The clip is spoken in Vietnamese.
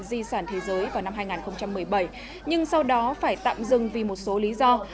di sản thế giới vào năm hai nghìn một mươi bảy nhưng sau đó phải tạm dừng vì một số lý do